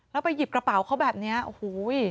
แล้วไปหยิบกระเป๋าเขาแบบนี้โอ้โห